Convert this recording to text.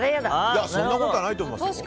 そんなことはないと思いますよ。